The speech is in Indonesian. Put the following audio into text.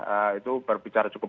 eee itu berbicara cukup